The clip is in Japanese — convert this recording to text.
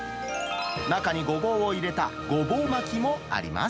中にごぼうを入れたごぼう巻きもあります。